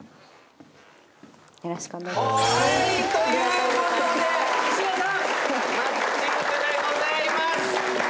ということで石田さんマッチングでございます。